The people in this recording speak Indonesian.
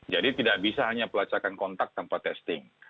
jadi tidak bisa hanya pelacakan kontak tanpa testing